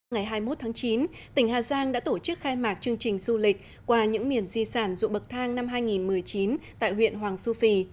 ngày hai mươi một tháng chín tỉnh hà giang đã tổ chức khai mạc chương trình du lịch qua những miền di sản ruộng bậc thang năm hai nghìn một mươi chín tại huyện hoàng su phi